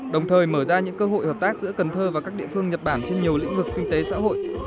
đồng thời mở ra những cơ hội hợp tác giữa cần thơ và các địa phương nhật bản trên nhiều lĩnh vực kinh tế xã hội